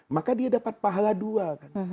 maka dia dapat pahala dua kan